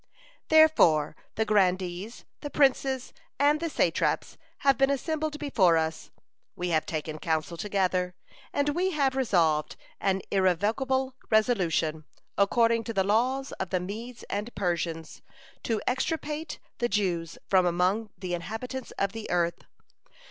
"Therefore the grandees, the princes, and the satraps have been assembled before us, we have taken counsel together, and we have resolved an irrevocable resolution, according to the laws of the Medes and Persians, to extirpate the Jews from among the inhabitants of the earth.